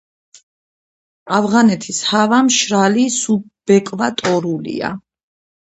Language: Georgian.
ავღანეთის ჰავა მშრალი, სუბეკვატორულია.